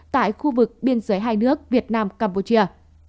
tại khu vực biên giới hai nước việt nam campuchia